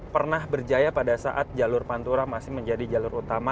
pernah berjaya pada saat jalur pantura masih menjadi jalur utama